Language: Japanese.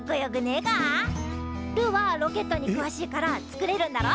ルーはロケットにくわしいから作れるんだろ？